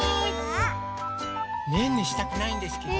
ねんねしたくないんですけど。